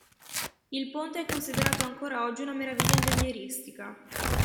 Il ponte è considerato ancora oggi una meraviglia ingegneristica.